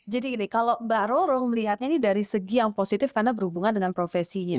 jadi gini kalau mbak roro melihatnya ini dari segi yang positif karena berhubungan dengan profesinya